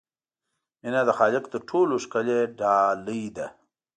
مینه د خالق تر ټولو ښکلی ډال دی.